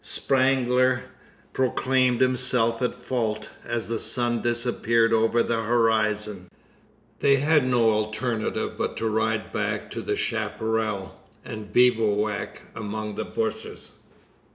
Spangler proclaimed himself at fault, as the sun disappeared over the horizon. They had no alternative but to ride back to the chapparal, and bivouac among the bushes.